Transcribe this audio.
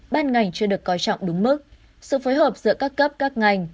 ban ngành chưa được coi trọng đúng mức sự phối hợp giữa các cấp các ngành